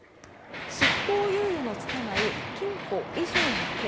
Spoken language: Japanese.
執行猶予のつかない禁錮以上の刑。